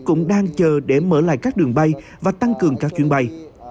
cũng đang chờ để mở lại các đường bay và tăng cường các chuyến bay